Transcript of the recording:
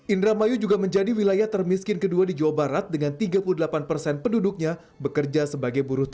indramayu juga menjadi wilayah termiskin kedua di jawa barat dengan tiga puluh delapan persen penduduknya bekerja sebagai buruh